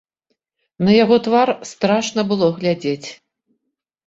На яго твар страшна было глядзець.